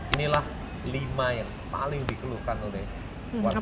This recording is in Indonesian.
inilah lima yang paling dikeluhkan oleh warga